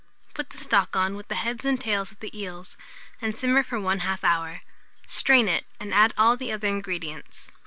Put the stock on with the heads and tails of the eels, and simmer for 1/2 hour; strain it, and add all the other ingredients.